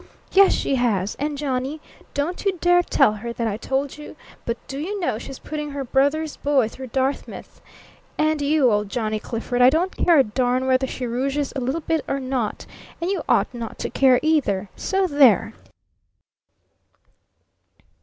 Yes, she has! And Johnny, don't you dare tell her that I told you but do you know she's putting her brother's boy through Dartmouth? And you old Johnny Clifford, I don't care a darn whether she rouges a little bit or not and you oughtn't to care either! So there!'"